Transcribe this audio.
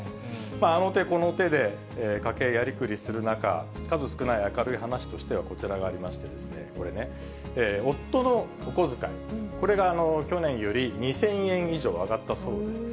あの手、この手で家計をやりくりする中、数少ない明るい話としては、こちらがありまして、これね、夫のお小遣い、これが去年より２０００円以上上がったそうです。